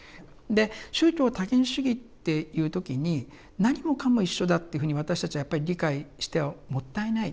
で宗教多元主義っていう時に何もかも一緒だっていうふうに私たちはやっぱり理解してはもったいない。